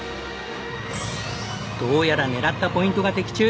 どうやら狙ったポイントが的中！